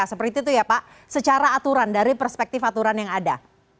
seperti itu ya pak secara aturan dari perspektif aturan yang ada